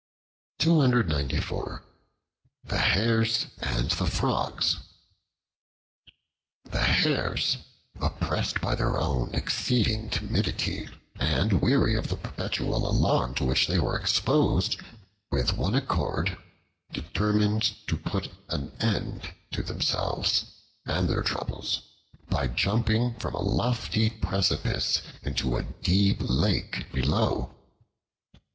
The Hares and the Frogs THE HARES, oppressed by their own exceeding timidity and weary of the perpetual alarm to which they were exposed, with one accord determined to put an end to themselves and their troubles by jumping from a lofty precipice into a deep lake below.